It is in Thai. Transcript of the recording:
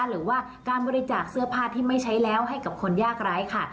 หรือว่าการบริจาคเสื้อผ้าที่ไม่ใช้แล้วให้กับคนยากร้ายค่ะ